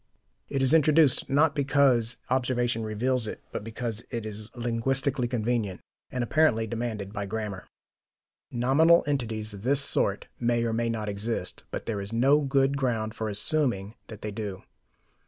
It is introduced, not because observation reveals it, but because it is linguistically convenient and apparently demanded by grammar. Nominal entities of this sort may or may not exist, but there is no good ground for assuming that they do.